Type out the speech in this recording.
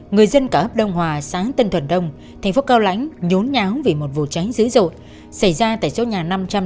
người dân cả ấp đông hòa xã tân thuận đông thành phố cao lãnh nhốn nháo vì một vụ cháy dữ dội xảy ra tại chỗ nhà năm trăm linh chín